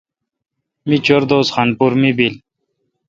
می چور دوس خان پور می بیل۔